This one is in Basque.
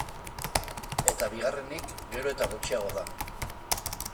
Eta bigarrenik, gero eta gutxiago da.